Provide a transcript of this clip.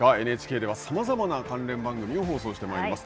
ＮＨＫではさまざまな関連番組を放送してまいります。